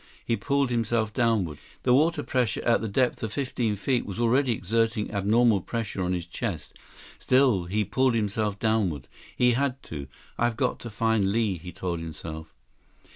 He pulled himself downward. The water pressure at the depth of fifteen feet was already exerting abnormal pressure on his chest. Still he pulled himself downward. He had to. I've got to find Li, he told himself.